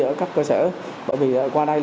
ở các cơ sở bởi vì qua đây